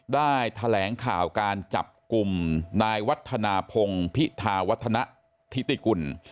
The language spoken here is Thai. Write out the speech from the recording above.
ได้แถลงข่าวการจับกลุ่มนายวัฒนาพงศ์พิธาวัฒนธิติกุล